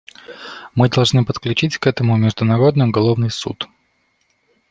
Мы должны подключить к этому Международный уголовный суд.